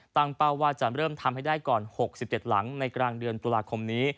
ต่างเป้าว่าจะเริ่มทำให้ได้ก่อนหกสิบเจ็ดหลังในกลางเดือนปุ่าหาคมนี้